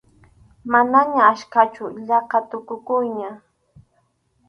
Manaña achkachu, yaqa tukukuqña.